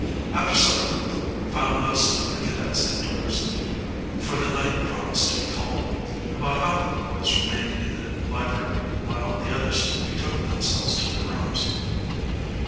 After supper found most of the cadets indoors, for the night promised to be cold. About half of the boys remained in the library, while the others betook themselves to their rooms.